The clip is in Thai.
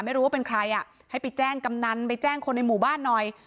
ไม่รู้ว่าเป็นใครอ่ะให้ไปแจ้งกำนันไปแจ้งคนในหมู่บ้านหน่อย